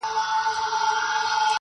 د جنت د حورو ميري، جنت ټول درته لوگی سه.